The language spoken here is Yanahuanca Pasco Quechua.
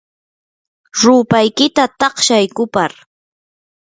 rupaykita taqshay kupar.